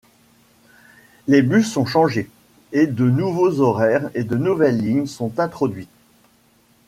Les bus sont changés, et de nouveaux horaires et de nouvelles lignes sont introduits.